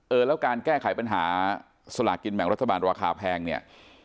เออแล้วการแก้ไขปัญหาสลากกินแบ่งรัฐบาลราคาแพงเนี่ย